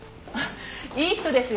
いい人ですよ。